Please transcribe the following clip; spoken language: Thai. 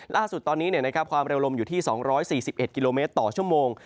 ล่าสุดตอนนี้ความเร็วลมอยู่ที่๒๔๑กิโลเมตรต่อชั่วโมง